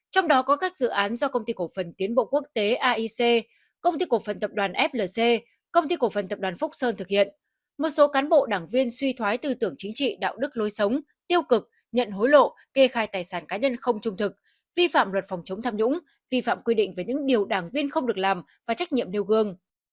trong đó có các dự án do công ty cổ phần tiến bộ quốc tế aic công ty cổ phần tập đoàn flc công ty cổ phần tập đoàn phúc sơn thực hiện một số cán bộ đảng viên suy thoái tư tưởng chính trị đạo đức lối sống tiêu cực nhận hối lộ kê khai tài sản cá nhân không trung thực vi phạm luật phòng chống tham nhũng vi phạm quy định về những điều đảng viên không được làm và trách nhiệm nêu gương